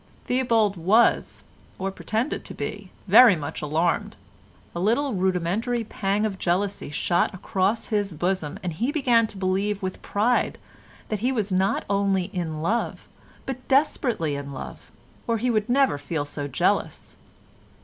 Theobald was, or pretended to be, very much alarmed; a little rudimentary pang of jealousy shot across his bosom and he began to believe with pride that he was not only in love, but desperately in love or he would never feel so jealous.